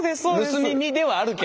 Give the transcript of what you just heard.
盗み見ではあるけど。